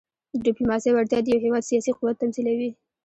د ډيپلوماسۍ وړتیا د یو هېواد سیاسي قوت تمثیلوي.